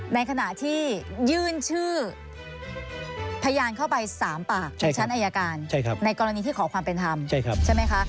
ในขณะที่ยื่นชื่อพยานเข้าไป๓ปากในชั้นอายการในกรณีที่ขอความเป็นธรรมใช่ไหมคะ